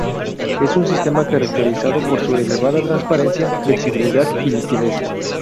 Es un sistema caracterizado por su elevada transparencia, flexibilidad y liquidez.